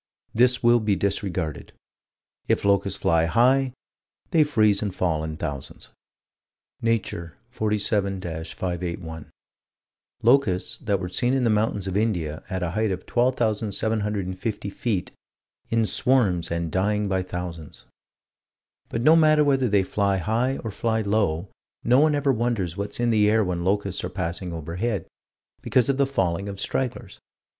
This will be disregarded: If locusts fly high, they freeze and fall in thousands. Nature, 47 581: Locusts that were seen in the mountains of India, at a height of 12,750 feet "in swarms and dying by thousands." But no matter whether they fly high or fly low, no one ever wonders what's in the air when locusts are passing overhead, because of the falling of stragglers.